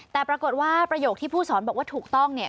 แต่ปรากฏว่าประโยคที่ผู้สอนบอกว่าถูกต้องเนี่ย